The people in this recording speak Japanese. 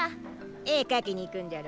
絵描きに行くんじゃろ？